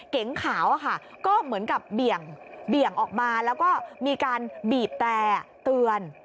เก๋งขาวก็เหมือนกับเบี่ยงออกมาแล้วก็มีการบีบแต่เตือน